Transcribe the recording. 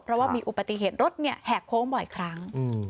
เพราะว่ามีอุบัติเหตุรถแหกโค้งบ่อยครั้ง